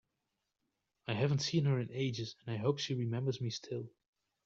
I haven’t seen her in ages, and I hope she remembers me still!